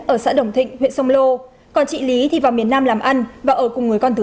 ở xã đồng thịnh huyện sông lô còn chị lý thì vào miền nam làm ăn và ở cùng người con thứ